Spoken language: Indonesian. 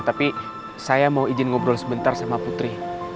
tapi saya mau izin ngobrol sebentar sama putri